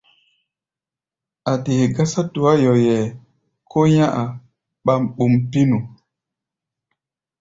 A̧ dee gásá tuá-yoyɛ kó nyá̧-a̧ ɓam-ɓum pínu.